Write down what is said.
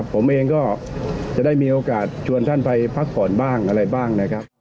ผมเองก็จะได้มีโอกาสชวนท่านไปพักผ่อนบ้างอะไรบ้างนะครับ